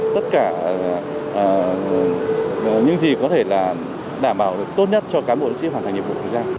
tất cả những gì có thể là đảm bảo được tốt nhất cho cán bộ nhân sĩ hoàn thành nhiệm vụ